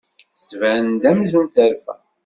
Tettban-d amzun terfa.